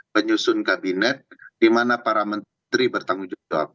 penyusun kabinet di mana para menteri bertanggung jawab